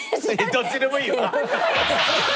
どっちでもいいわ！